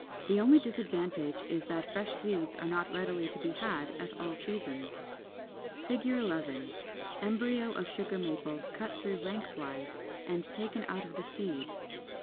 The only disadvantage is that fresh seeds are not readily to be had at all seasons. [Illustration: Fig. 11. Embryo of Sugar Maple, cut through lengthwise and taken out of the seed.